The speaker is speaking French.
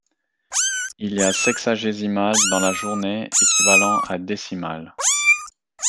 Il y a sexagésimales dans la journée, équivalant à décimales.